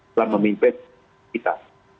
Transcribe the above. selama mimpin kita